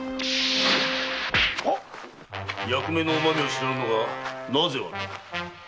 役目のうま味を知らぬのがなぜ悪い。